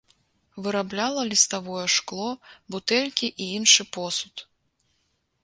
Вырабляла ліставое шкло, бутэлькі і іншы посуд.